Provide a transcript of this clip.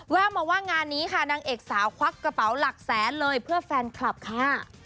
มาว่างานนี้ค่ะนางเอกสาวควักกระเป๋าหลักแสนเลยเพื่อแฟนคลับค่ะ